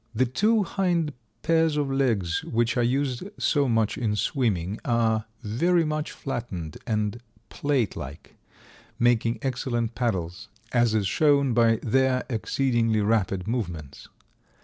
The two hind pairs of legs which are used so much in swimming are very much flattened and plate like, making excellent paddles, as is shown by their exceedingly rapid movements.